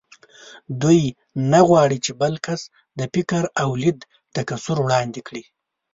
دوی نه غواړ چې بل کس د فکر او لید تکثر وړاندې کړي